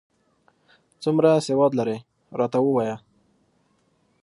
څومره سواد لرې، راته ووایه ؟